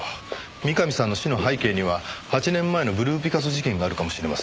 三上さんの死の背景には８年前のブルーピカソ事件があるかもしれません。